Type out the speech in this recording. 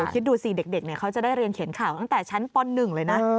คิดดูสิเด็กเขาจะได้เรียนเขียนข่าวตั้งแต่ชั้นป๑เลยนะ